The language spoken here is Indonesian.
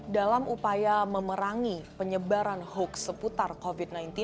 dalam upaya memerangi penyebaran hoax seputar covid sembilan belas